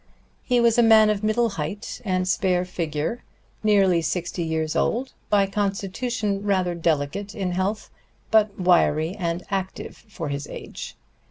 He was a man of middle height and spare figure, nearly sixty years old, by constitution rather delicate in health, but wiry and active for his age.